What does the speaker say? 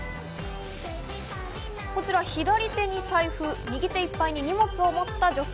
こちら左手に財布、右手いっぱいに荷物を持った女性。